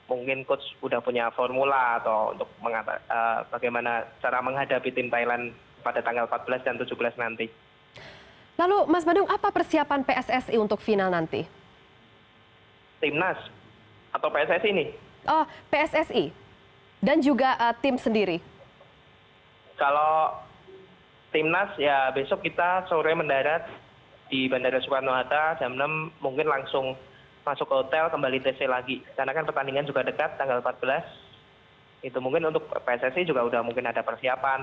untuk menyambut kami atau mungkin